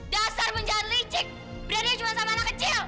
dasar penjara licik berani nyembat sama anak kecil